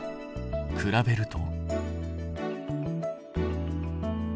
比べると。